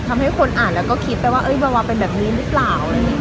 ทำให้คนอ่านแล้วก็คิดว่าวาวาเป็นแบบนี้หรือเปล่า